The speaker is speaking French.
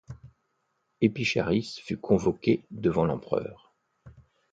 Épicharis fut convoquée devant l'empereur.